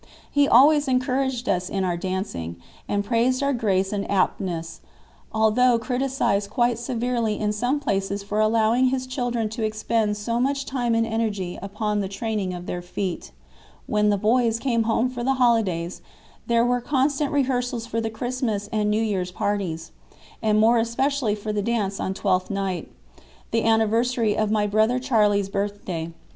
He always encouraged us in our dancing, and praised our grace and aptness, although criticized quite severely in some places for allowing his children to expend so much time and energy upon the training of their feet. When "the boys" came home for the holidays there were constant rehearsals for the Christmas and New Year's parties; and more especially for the dance on Twelfth Night, the anniversary of my brother Charlie's birthday.